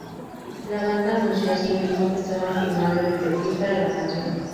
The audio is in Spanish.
La banda anunció así mismo que estaban filmando el videoclip para la canción.